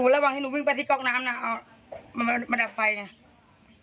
ระวังที่หนูวิ่งไปที่กลอกน้ำง็มามาดับไฟชัย